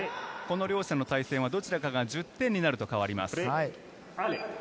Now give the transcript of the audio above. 両者の対戦はどちらかが１０点になると変わります。